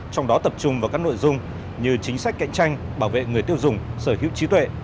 trong đó tập trung vào các nội dung như chính sách cạnh tranh bảo vệ người tiêu dùng sở hữu trí tuệ